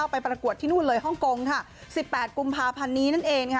ไปประกวดที่นู่นเลยฮ่องกงค่ะ๑๘กุมภาพันธ์นี้นั่นเองค่ะ